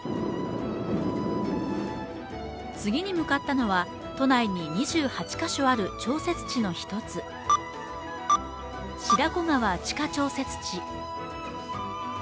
次に向かったのは、都内に２８か所ある調節池の１つ、白子川地下調節池。